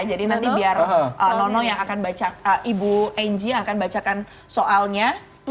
jadi nanti biar nono yang akan baca ibu engi yang akan bacakan soalnya